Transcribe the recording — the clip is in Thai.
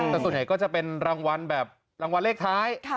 แต่ส่วนใหญ่ก็จะเป็นรางวัลแบบรางวัลเลขท้าย